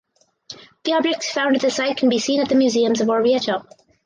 The objects found at the site can be seen at the Museums of Orvieto.